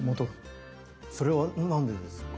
それは何でですか？